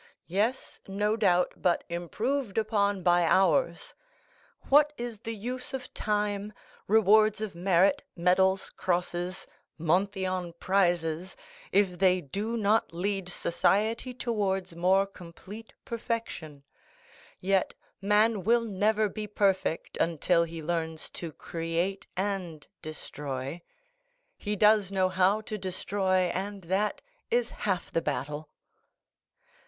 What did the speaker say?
"Yes, no doubt, but improved upon by ours. What is the use of time, rewards of merit, medals, crosses, Monthyon prizes, if they do not lead society towards more complete perfection? Yet man will never be perfect until he learns to create and destroy; he does know how to destroy, and that is half the battle."